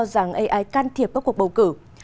rằng ai can thiệp bất cuộc bầu cử